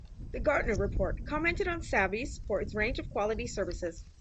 The Gartner report commented on Savvis for its range of quality services.